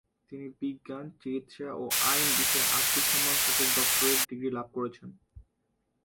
তিনি বিজ্ঞান, চিকিৎসা ও আইন বিষয়ে আটটি সম্মানসূচক ডক্টরেট ডিগ্রি লাভ করেছেন।